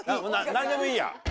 何でもいいや。